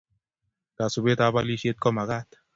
Kasubet ab alishet kumakat